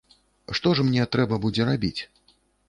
Што ж мне трэба будзе рабіць?